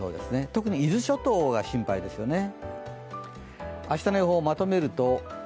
特に伊豆諸島が心配ですよね。